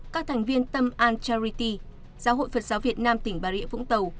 các thành viên tâm an charity giáo hội phật giáo việt nam tỉnh bà rịa vũng tàu